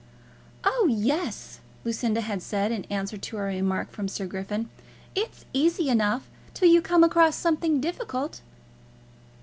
"Oh, yes," Lucinda had said, in answer to a remark from Sir Griffin, "It's easy enough, till you come across something difficult."